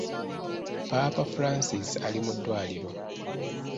Paapa Francis ali mu ddwaliro.